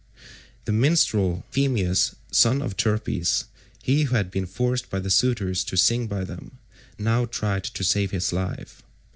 The minstrel Phemius son of Terpes—he who had been forced by the suitors to sing to them—now tried to save his life.